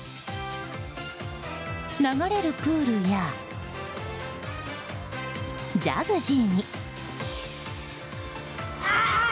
流れるプールやジャグジーに。